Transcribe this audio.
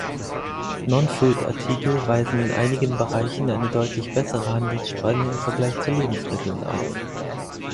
Non-Food-Artikel weisen in einigen Bereichen eine deutlich bessere Handelsspanne im Vergleich zu Lebensmitteln auf.